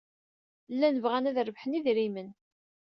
Llan bɣan ad d-rebḥen idrimen.